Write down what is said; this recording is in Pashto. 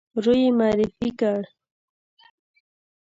روی معرفي کړ.